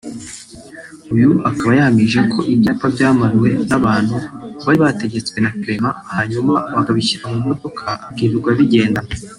uyu akaba yahamije ko ibyapa byamanuwe n’abantu bari babitegetswe na Clement hanyuma akabishyira mu modoka akirirwa abigendana